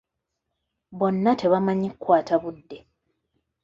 Bonna tebamanyi kukwata budde.